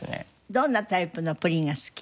どんなタイプのプリンが好き？